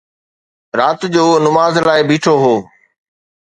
رات جو نماز لاءِ بيٺو هو